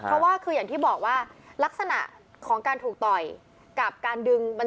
เพราะว่าคืออย่างที่บอกว่าลักษณะของการถูกต่อยกับการดึง